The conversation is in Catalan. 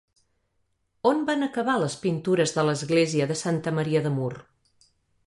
On van acabar les pintures de l'església de Santa Maria de Mur?